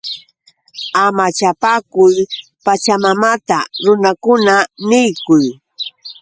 ¡Amachapaakuy Pachamamata! Runakunata niykuy.